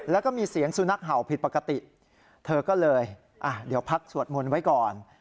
แล้วก็มีเสียงสุนัขเห่าผิดปกติเธอก็เลยเดี๋ยวพักสวดมนต์ไว้ก่อน